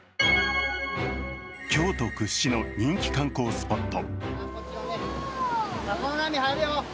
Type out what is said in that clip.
京都屈指の人気観光スポット。